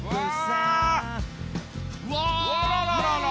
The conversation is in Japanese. うわ！